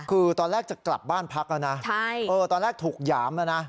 คือตอนแรกจะกลับบ้านพักแล้วนะตอนแรกถูกหยามแล้วนะ